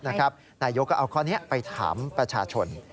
นายกก็เอาข้อนี้ไปถามประชาชน